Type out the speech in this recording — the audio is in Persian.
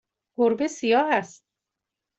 گربه سیاه است.